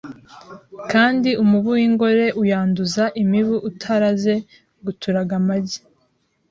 kandi umubu w'ingore uyanduza imibu uturaze (guturaga amagi).